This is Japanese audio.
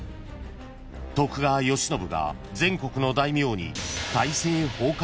［徳川慶喜が全国の大名に］